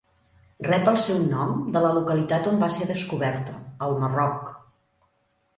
Rep el seu nom de la localitat on va ser descoberta, al Marroc.